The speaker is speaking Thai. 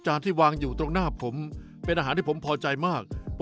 ขอบคุณครับ